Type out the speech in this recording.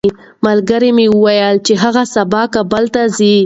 ملګري مې وویل چې هغه سبا کابل ته ځي.